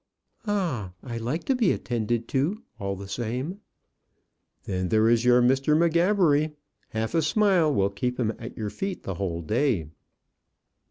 "Ah! I like to be attended to all the same." "Then there is Mr. M'Gabbery. Half a smile will keep him at your feet the whole day."